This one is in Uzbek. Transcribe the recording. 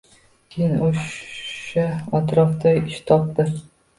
Keyin o‘sha atrofdan ish topdi.